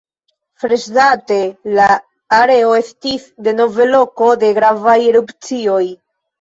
Freŝdate, la areo estis denove loko de gravaj erupcioj.